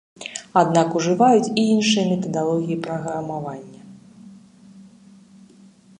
Аднак ужываюць і іншыя метадалогіі праграмавання.